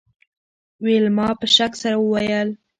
ویلما په شک سره وویل